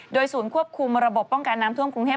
ศูนย์ควบคุมระบบป้องกันน้ำท่วมกรุงเทพ